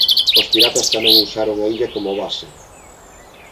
Os piratas tamén usaron a illa como base.